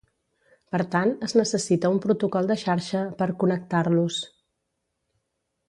Per tant, es necessita un protocol de xarxa per "connectar-los".